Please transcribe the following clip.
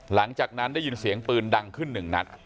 หลังจากนั้นได้ยินเสียงปืนดังขึ้นหนึ่งนัด